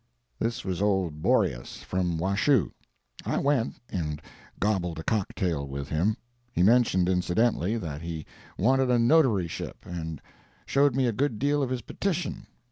This was old Boreas, from Washoe. I went and gobbled a cocktail with him. He mentioned incidentally, that he wanted a notaryship, and showed me a good deal of his petition.